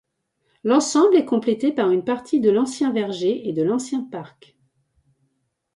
L'ensemble est complété par une partie de l'ancien verger et de l'ancien parc.